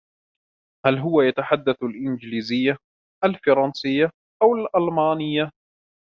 هل هو يتحدث الإنجليزية, الفرنسية أو الألمانية ؟